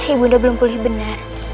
ibu undang belum pulih benar